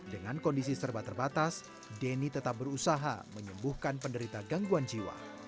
dengan kondisi serba terbatas denny tetap berusaha menyembuhkan penderita gangguan jiwa